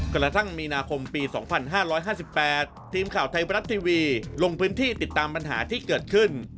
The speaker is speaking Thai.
กระทั่งมีนาคมปี๒๕๕๘ทีมข่าวไทยบรัฐทีวีลงพื้นที่ติดตามปัญหาที่เกิดขึ้น